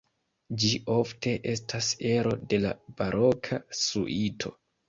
Ĝi ofte estas ero de la baroka suito.